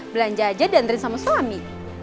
belanja aja diantarin sama suami